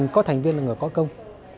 có thành viên là người có công